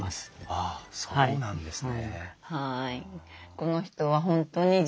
ああそうなんですね。